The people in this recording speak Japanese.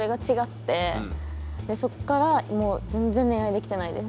そこからもう全然恋愛できてないです。